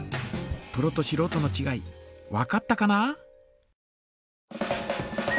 プロとしろうとのちがいわかったかな？